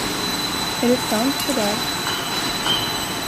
Är det sant, det där?